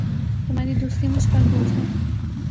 تمہاری دوستی مجھ پر بوجھ ہے